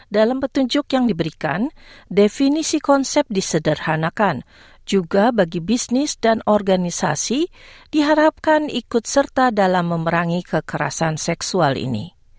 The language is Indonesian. dalam petunjuk yang diberikan definisi konsep disederhanakan juga bagi bisnis dan organisasi diharapkan ikut serta dalam memerangi kekerasan seksual ini